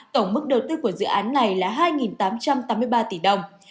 tổng mức đầu tư của dự án này là hai tám trăm tám mươi ba tỷ đồng